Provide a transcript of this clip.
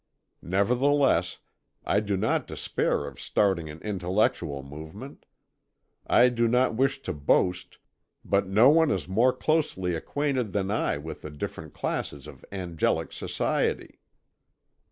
Nevertheless, I do not despair of starting an intellectual movement. I do not wish to boast, but no one is more closely acquainted than I with the different classes of angelic society."